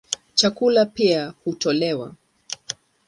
Chakula pia hutolewa.